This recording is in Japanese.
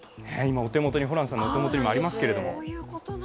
ホランさんのお手元にもありますけども。